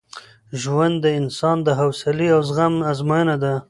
ژوند د انسان د حوصلې او زغم ازموینه ده.